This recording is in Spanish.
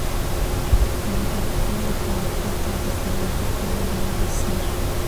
En la capital del califato recibió el título de visir.